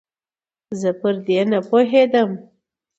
زه پر دې نپوهېدم